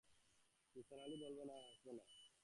নিসার আলি বললেন, আর হাসব না।